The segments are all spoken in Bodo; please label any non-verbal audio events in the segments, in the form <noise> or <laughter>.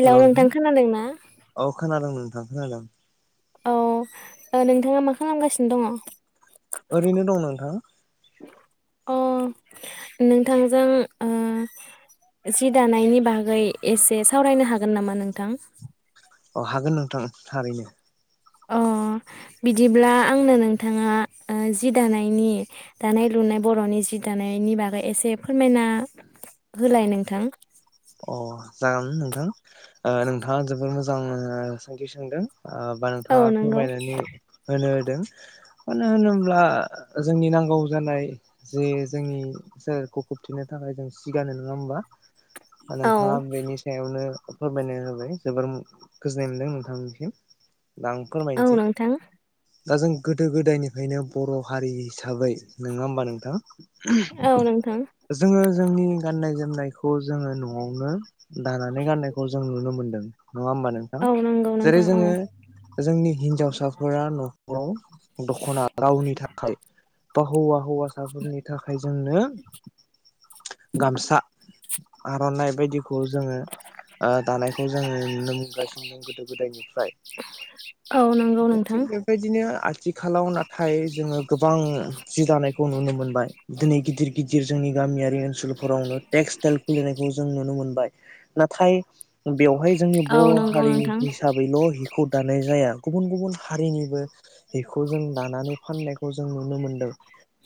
हेलौ नोंथां खोनादोंना ओं खोनादों औ ओ नोंथाङा मा खालामगासिनो दङ? ओरैनो दं नोंथां। अ नोंथांजों ओ जि दानायनि बागै एसे सावरायनो हागोन नामा नोंथां? अ हागोन नोंथां थारैनो। अ बिदिब्ला आंनो नोंथाङा ओ जि दानायनि दानाय लुनाय बर'नि जि दानायनि बागै एसे फोरमायना होलाय नोंथां। अ जागोन नोंथां ओ नोंथाङा जोबोर मोजां सोंथि सोंदों। ओ बा औ नोंथाङा नंगौ फोरमायनानै होनो दों मानो होनोब्ला जोंनि नांगौ जानाय जे जोंनि सोलेरखौ खोबथेनो थाखाय जों सि गानो नंङा होमबा? औ नोंथाङा बेनि सायावनो फोरमायना होबाय जोबोर गोजोननाय मोनदों नोंथांमोननिसिम। आं औ फोरमायनोसै। नोंथां दा जों गोदो-गोदायनिफ्रायनो बर' हारि हिसाबै नङा होमबा नोंथां? औ नोंथां जोंङो जोंनि गाननाय जोमनायखौ जोंङो नु न'आवनो दानानै गाननायखौ जों नुनो मोनदों। नङा होमबा नोंथां? औ नंगौ जेरै नोंथां औ जोंङो जोंनि हिनजावसाफोरा न'खराव दख'ना रावनि थाखाय बा हौवा हौवासाफोरनि थाखाय जोंनो गामसा। गाननाय बायदि खौ जोंङो ओ दानायखौ जोंङो नुनो मोनगासिनो गोदो गोदायनिफ्राय औ नंगौ नोंथां थिग बेबायदिनो आथि आथिखालाव नाथाय जोंङो गोबां जि दानायखौ नुनो मोनबाय दिनै गिदिर गिदिर जोंनि गामियारि ओनसोल फोरावनो टेक्सटाइल खुलिनाय जों नुनो मोनबाय नाथाय बेवहाय जोंनि औ बर' नंगौ हारि नोंथां हिसाबैल' हि खौ दानाय जाया गुबुन गुबुन हारिनिबो बेखौ जों दानानै फाननाय खौ जों नुनो मोनदों।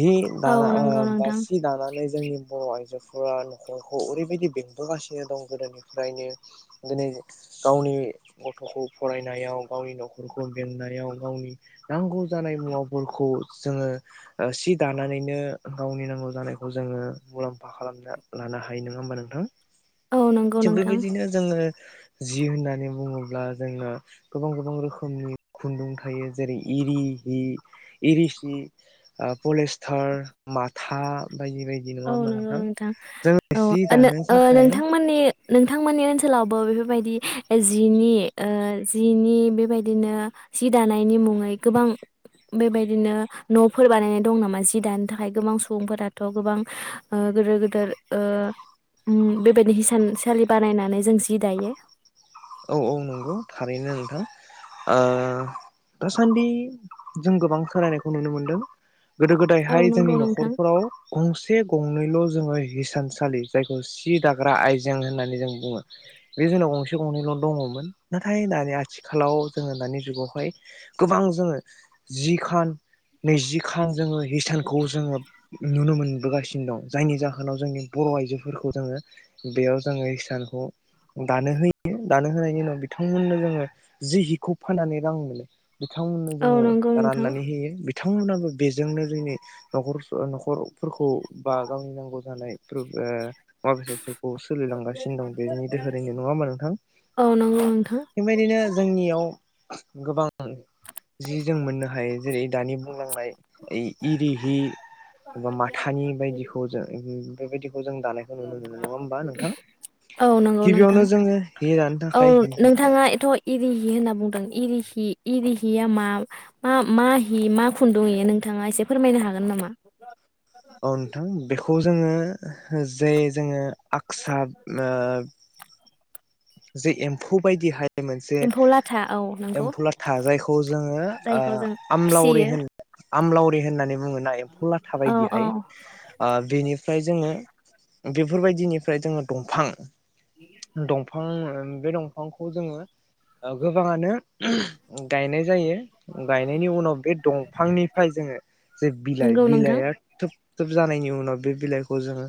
हि औ दाना ओ नंगौ बा नोंथां सि दानानै जोंनि बर' आइजोफोरा न'खरखौ ओरै बेबायदि बेंबोगासिनो दं गोदोनिफ्रायनो। दिनै गावनि गथ'खौ फरायनायाव गावनि न'खरखौ बेंनायाव गावनि नांगौ जानाय मुवाफोरखौ जोंङो सि दानानैनो गावनि नांगौ जानायखौ जोंङो मुलाम्फा खालामना लानो हायो नंङा होमबा नोंथां? थां। औ नंगौ नोंथां। जि होननानै बुंङोब्ला जोंङो गोबां गोबां रोखोमनि खुन्दुं थायो जेरै इरि हि, इरि सि, ओ पलेस्टार, माथा। बायदि बायदि नङा औ होमबा नंगौ नोंथां जोंङो औ जि ओ दानो ओ थाखाय नोंथांमोननि नोंथांमोन नोंथांमोननि ओनसोलावबो बेफोरबायदि जिनि ओ जिनि बेबायदिनो जि दानायनि मुङै गोबां बेबायदिनो न'फोर बानायनाय दं नामा जि दानो थाखाय गोबां सुबुंफोराथ' गोबां ओ गोदोर गोदोर ओ उम बेबायदि हिसानसालि बानायनानै जों जि दायो। औ औ नंगौ थारैनो नोंथां ओ दासान्दि जों गोबां सोलायनायखौ नुनो मोनदों। गोदो औ गोदायहाय जोंनि नंगौ नोंथां न'खरफोराव गंसे गंनैल' जोङो हिसानसालि जायखौ सि दाग्रा आयजें होननानै जों बुङो बे जोंनाव गंसे गंनैल' दङमोन नाथाय दानि आथिखालाव जोङो दानि जुगावहाय गोबां जोङो जिखान, नैजि खान जोङो हिसान खौ जोङो नुनो मोन नुबोगासिनो दं जायनि जाहोनाव जोंनि बर' आइजोफोरखौ जोङो बेयाव जोङो हिसानखौ दानो होयो यो दानो होनायनि उनाव बिथांमोननो जोङो जि हिखौ फाननानै रां मोनो। बिथांमोननो औ जोङो नंगौ नोंथां राननानै होयो। बिथांमोनाबो बेजोंनो जोंनि न'खर न'खरफोरखौ बा गावनि नांगौ जानाय फोर ओ मुवा-बेसादफोरखौ सोलिलांगासिनो दं बेनि दोहोरैनो नङा होनबा नोंथां ओं औ नंगौ नोंथां बेबायदिनो जोंनियाव गोबां जि जों मोननो हायो जेरै दानि बुंलां बाय इरि हि, बा माथानि बायदिखौ जों बेबायदि जों दानायखौ नुनो मोनो नङा होमबा नोंथां औ नंगौ नोंथां। गिबियावनो जोङो हि दानो औ थाखाय नोंथाङा एथ' इरिहि होनना बुंदों इरिहि इरिहिया मा मा हि मा खुन्दुं इयो नोंथाङा एसे फोरमायनो हागोन नामा औ नोंथां बे खौ जोङो जे जोङो आक्सार ओ जे एम्फौ बायदिहाय बे मोनसे एम्फौ लाथा औ नंगौ एम्फु लाथा जायखौ जोङो ओ जायखौ जों आमलावरि फिसियो होनो। आमलावरि होननानै बुङोना एम्फौ लाथा औ औ बायदिहाय ओ बेनिफ्राय जोङो बेफोरबायदिनिफ्राय जोङो दंफां दं दंफां बे दंफांखौ जोङो ओ गोबाङानो गायनाय जायो। गायनायनि उनाव बे दंफांनिफ्राय जोङो जे बिलाइ नंगौ नोंथां बिलाइआ थोब थोब जानायनि उन उनाव बे बिलाइखौ जोङो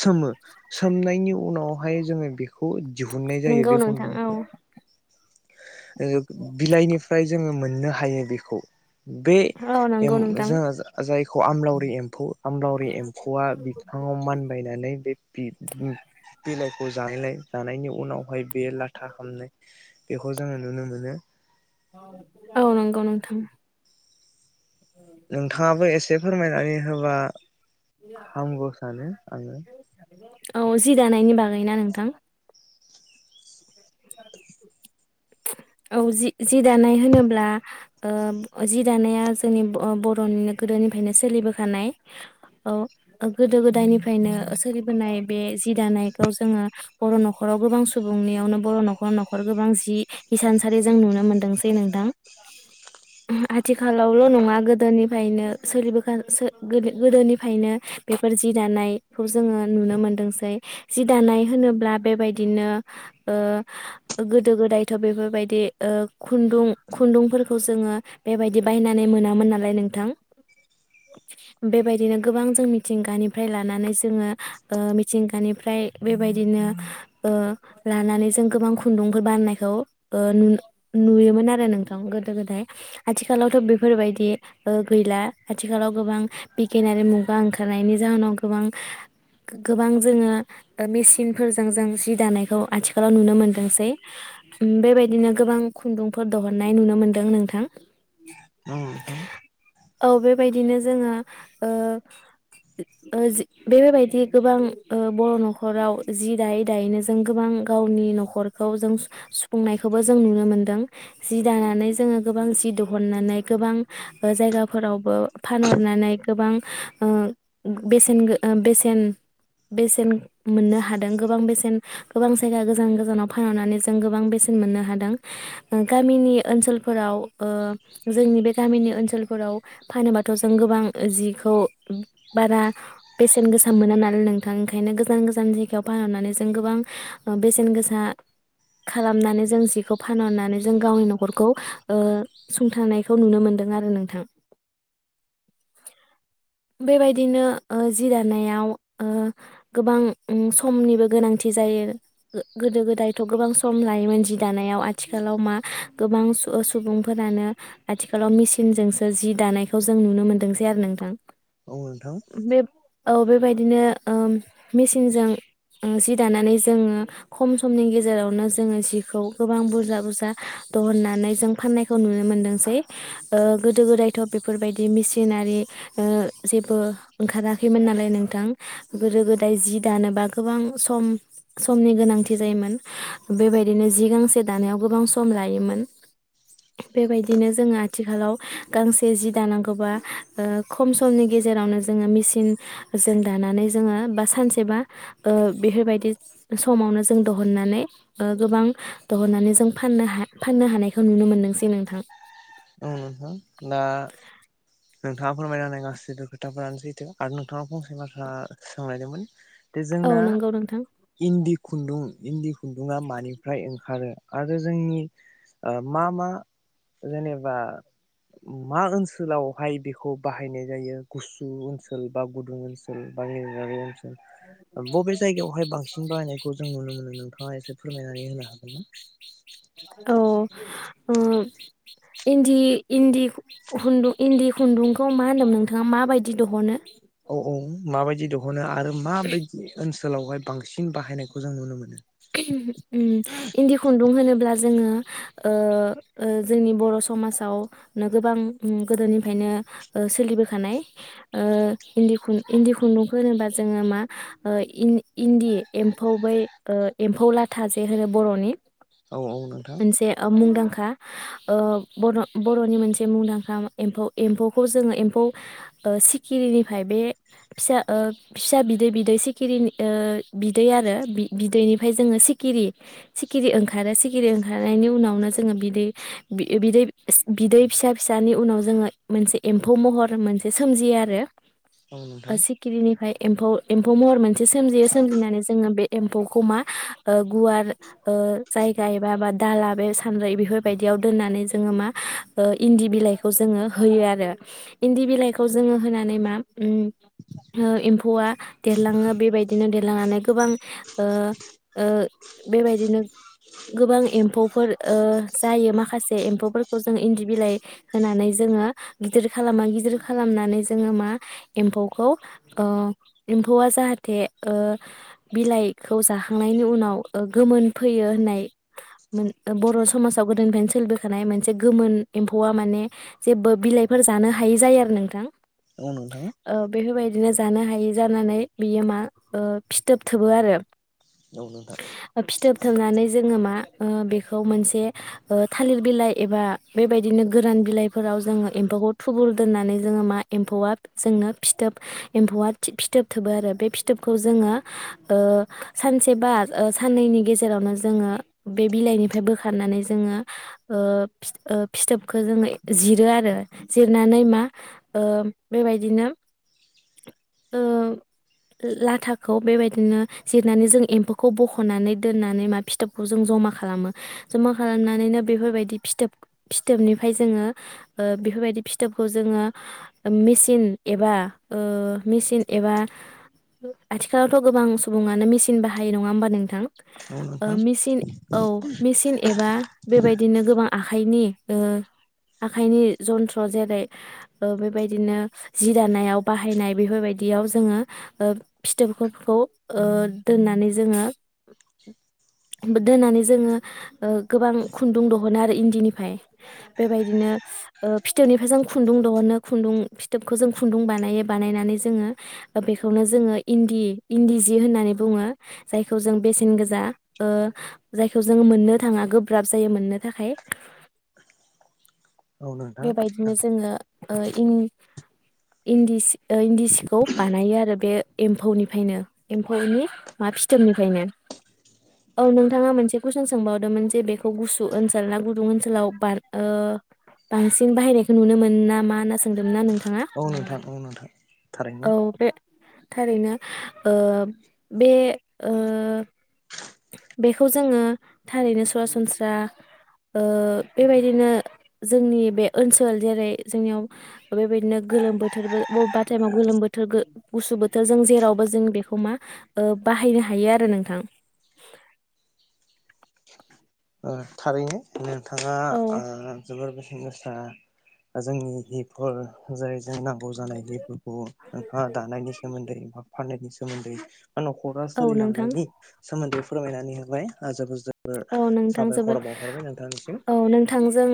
सोमो सोमनायनि उनावहाय जोङो बेखौ दिहुननाय जायो नंगौ बे नोंथां औ खुन्दुंखौ। ओ बिलाइनिफ्राय जोङो मोननो हा हायो बेखौ। बे औ नंगौ एम नोंथां जों जायखौ आमलावरि एम्फौ आमलावरि एम्फौआ बिफाङाव मानबायनानै बे बिब-बिलाइ खौ जानायलाय जानायनि उनाव बेहाय बे लाथा हामनाय बेखौ जोङो नुनो मोनो । औ नंगौ नोंथां। नोंथाङाबो एसे फोरमायनानै हो होबा हामगौ सानो आङो। औ जि दानायनि बागैना नोंथां? <inaudible> औ जि जि दानाय होनोब्ला ओ जि दानाया जोंनि ब-बर'निनो गोदोनिफ्रायनो सोलिबोखानाय औ गोदो गोदायनिफ्रायनो सोलिबोनाय बे जि दानायखौ जोङो बर' न'खराव गोबां सुबुंनियावनो बर' न'खर न'खर गोबां जि इसानसालि जों नुनो मोनदोंसै नोंथां ओ आथिखालावल' नङा गोदोनिफ्रायनो सोलिबो खानाय सो-सोलि गोदोनिफ्रायनो बेफोर जि दानायखौ जोङो नुनो मोनदोंसै। जि दानाय होनोब्ला बेबायदिनो ओ गोदो गोदाय थ' बेफोरबायदि ओ खुन्दुं खुन्दुंफोरखौ जोङो बेबायदि बायनानै मोनामोन नालाय नोंथां। बेबायदिनो गोबां जों मिथिंगानिफ्राय लानानै जोङो मिथिंगानिफ्राय बेबायदिनो ओ लानानै ओ जों गोबां खुन्दुंफोर बानायनायखौ ओ नु-नुयोमोन आरो नोंथां गोदो गोदाय आथिखालावथ' बेफोरबायदि ओ गैला आथिखालाव गोबां पकेनारि मुगा ओंखारनायनि जाहोनाव गोबां गोबां जोङो मेसिनफोरजों जों सज दानायखौ आथिखालाव नुनो मोनदोंसै। उम बेबायदिनो गोबां खुन्दुंफोर दहननाय नुनो मोनदों नोंथां। औ नोंथां औ बेबायदिनो जोङो ओ ओ जि बेबायदि गोबां बर' नखराव जि दायै दायैनो जों गोबां गावनि नखरखौ जों सुफुंनायखौबो जों नुनो मोनदों। जि दानानै जोङो गोबां जि दहननानै गोबां जायगाफोरावबो फानहरनानै गोबां ओ बेसेन बेसेन बेसेन मोननो हादों गोबां बेसेन गोबां जायगा गोजान गोजानाव फानहरनानै जों जों गोबां बेसेन मोननो हादों गामिनि ओनसोलफोराव ओ जोंनि बे गामिनि ओनसोलफोराव फानोबाथ' जों गोबां जिखौ बारा बेसेन गोसा मोना नालाय नोंथां ओंखायनो गोजान गोजान जायगायाव फानहरनानै जों गोबां बेसेन गोसा खालामनानै जों जिखौ फानहरनानै जों गावनि नखरखौ ओ सुंथानायखौ नुनो मोनदों आरो नोंथां। बेबायदिनो जि दानायाव गोबां समनिबो गोनांथि जायो। गोदो गोदायथ गोबां सम सम लायोमोन जि दानायाव आथिखालाव मा गोबां सुबुंफोरानो आथिखालाव मेसिनजोंसो जि दानायखौ जों नुनो मोनदोंसै आरो नोंथां। औ नोंथां। बे औ बे बायदिनो ओम मेसिनजों ओ सि दानानै जोङो खम समनि गेजेरावनो जोङो जिखौ गोबां बुरजा बुरजा दहननानै जों फाननायखौ नुनो मोनदोंसै। ओ गोदो गोदायथ' बेफोरबायदि मेसिनारि ओ जेबो ओंखाराखैमोन नालाय नोंथां। गोदो गोदाय जि दानोबा गोबां सम-समनि गोनांथि जायोमोन। बे बायदिनो जि गांसे दानायाव गोबां सम लायोमोन। बे बायदिनो जोङो आथिखालाव गांसे जि दानांगौबा ओ खम समनि गेजेरावनो जोङो मेसिन जों दानानै जोङो बा सानसेबा ओ बे फोरबायदि समावनो जों दिहुननानै ओ गोबां दहनानै जों फाननो हा फाननो हानायखौ नुनो मोनदोंसै नोंथां। औ नोंथां दा नोंथाङा फोरमायना होनाय गासैबो खोथाफोरानो सैथो आरो नोंथाङा फंसे बाथ्रा सोंलायदोंमोन। बे औ जोंना नंगौ नोंथां इन्दि खुन्दुं इन्दि खुन्दुङा मानिफ्राय ओंखारो आरो जोंनि ओ मा मा जेनेब बा मा ओनसोलावहाय बेखौ बाहायनाय जायो गुसु ओनसोल बा गुदुं ओनसोल <unintelligible> ओनस बबे जायगायावहाय बांसिन बाहायनायखौ जों नुनो मोनो नोंथाङा एसे फोरमायनानै होनो हागोन ना? औ ओ इन्दि इन्दि खुन्दुं इन्दि खुन्दुंखौ मा होन्दों नोंथाङा माबायदि दिहनो। औ औ माबायदि दिहनो आ आरो माबायदि ओनस सोलावहाय बांसिन बाहायनायखौ जों नुनो मोनो? उम इन्दि खुन्दुं होनोब्ला जोङो। ओ ओ जोंनि बर' समाजावनो गोबां उम गोदोनिफ्रायनो ओ सोलिबोखानाय ओ इन्दि खुन इन्दि खुन्दुंखौ होनोबा जोङो मा ओ इन इन्दि एम्फौ बै ओ एम्फौ लाथा जे होनो बर'नि औ औ नोंथां मोनसे ओ मुंदांखा हा ओ बर' बर'नि मोनसे मुंदांखा मा एम्फौ एम्फौखौ जोङो एम्फौ ओ सिखिरिनिफाय बे फिसा ओ फिसा बिदै बिदै सिखिरिनि ओ बिदै आरो बि बिदैनिफ्राय जोङो सिखिरि सिखिरि ओंखारो सिखिरि ओंखारनायनि उनावनो जोङो बिदै-बि-बिदै सि बिदै फिसा फिसानि उनाव जोङो मोनसे एम्फौ महर मोनसे सोमजियो आरो। औ ओ नोंथां सिखिरिनिफाय एम्फौ एम्फौ महर मोनसे सोमजियो सोमजिनानै जोङो बे एम्फौखौ मा ओ गुवार ओ जायगा एबा बा दाला बे सानद्रै बेफोरबायदियाव दोननानै जोङो मा ओ इन्दि बिलाइखौ जोङो होयो आरो। इन्दि बिलाइखौ जोङो होनानै मा उम हो एम्फौआ देरलाङो बेबायदिनो दे लांनानै गोबां ओ ओ बेबायदिनो गोबां एम्फौफोर ओ जायो माखासे एम्फौफोरखौ जों इन्दि बिलाइ होनानै जोङो गिदिर खालामो गिदिर खालामनानै जोङो मा एम्फौखौ ओ एम्फौआ जाहाथे ओ बिलाइखौ जाखांनायनि उनाव ओ गोमोन फैयो होननाय मोन बर' समाजाव गोदोनिफ्रायनो सोलिबोखानाय मोनसे गोमोन एम्फौआ माने जेबो बिलाइफोर जानो हायि जायो आरो नोंथां औ नोंथां ओ बेफोरबायदिनो जो जानो हायि जानानै बियो मा ओ फिथ थोब थोबो आरो औ नोंथां। फिथोब थोबनानै जोङो मा ओ बेखौ मोनसे ओ थालिर बिलाइ एबा बेबायदिनो गोरान बिलाइफोराव जोङो एम्फौखौ थुबुर दोननानै जोङो मा एम्फौआ जोंनो फिथोब एम्फौआ फिथोब थोबो आरो बे फिथोबखौ जोङो ओ सानसे बा ओ साननैनि गेजेरावनो जोङो बे बिलाइनिफ्राय बोखारनानै जोङो ओ फिथ फिथोबखौ ओ जोङो जिरो आरो जिरनानै मा ओ बेबायदिनो ओ लाथा खौ बेबायदिनो जिरनानै जों एम्फौखौ बख'नानै दोननानै मा फिथोबखौ जों जमा खालामो। जमा खालामनानैनो बेफोरबायदि फिथोब फिथोबनिफ्राय जोङो ओ बेफोरबायदि फिथोबखौ जोङो मेसिन एबा ओ मेसिन एबा आथिखालावथ' गोबां सुबुङानो मेसिन बाहायो नङा होमबा नों थां औ ओ नोंथां मेसिन औ मेसिन एबा बेबायदिनो गोबां आखाइनि ओ आखाइनि जन्थ्र जेरै ओ बेबायदिनो जि दानायाव बाहायनाय बेफोरबायदियाव जोङो ओ फिथोबफोरखौ ओ दोननानै जोङो दोननानै जोङो ओ गोबां खुन्दुं दिहुनो आरो इन्दिनिफाय। बेबायदिनो फिथोबनिफ्राय जों खुन्दुं दिहनो खुन्दुं फिथोबखौ जों खुन्दुं बानायो बानायनानै जोङो ओ बेखौनो जोङो इन्दि -इन्दि जि होननानै बुङो जायखौ जों बेसेन गोजा जायखौ ओ जों मोननो थाङा गोब्राब जायो मोननो थाखाय औ नोंथां बेबायदिनो जोङो ओ इन्दि सि इन्दि सिखौ बानायो आरो बे एम्फौनिफ्रायनो एम्फौनि मा फिथोबनिफ्रायनो औ नोंथाङा मोनसे कुइसन सोंबावदोंमोन जे बेखौ गुसु ओनसोल ना गुदुं ओनसोलाव बार ओ बांसिन बाहायनायखौ नुनो मोनो ना मा होनना सोंदोंमोन ना नोंथांआ औ नोंथां औ नोंथां थारैनो औ बे थारैनो ओ बे बेखौ जोङो थारैनो सरासनस्रा ओ बेबायदिनो जोंनि बे ओनसोल जेरै जोंनियाव बेबायदिनो गोलोम बोथोरबो बबेबा टाइमाव गोलोम बोथोर गुसु बोथोर जों जेरावबो जों बेखौ मा बाहायनो हायो आरो नोंथां ओ थारैनो बिथाङा औ जोबोर बेस्त जोंनि बैफोर जाय नांगौ जानायफोरखौ नों दानायनि सोमोन्दै बा फाननायनि सोमोन्दै न'खरा औ नोंथां सोलिलांनायनि सोमोन्दै फोरमायनानै होबाय औ आजाबुजा ब नोंथां जोबोद औ नोंथांजों